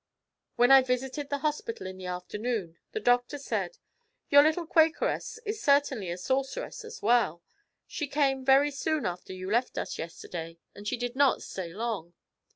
When I visited the hospital in the afternoon, the doctor said: 'Your little Quakeress is certainly a sorceress as well. She came very soon after you left us yesterday, and she did not stay long.